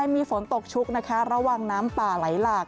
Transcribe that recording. มีฝนตกชุกระหว่างน้ำป่าไหลหลาก